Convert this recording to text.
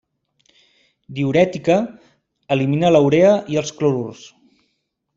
Diürètica, elimina la urea i els clorurs.